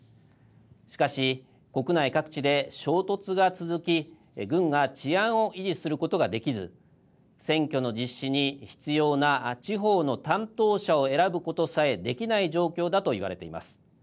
しかし、国内各地で衝突が続き軍が治安を維持することができず選挙の実施に必要な地方の担当者を選ぶことさえできない状況だといわれています。